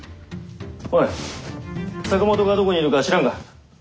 おい坂本がどこにいるか知らんか？